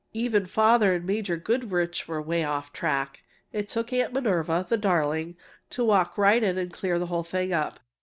Even father and Major Goodrich were way off the track. It took Aunt Minerva (the darling!) to walk right in and clear the whole thing up!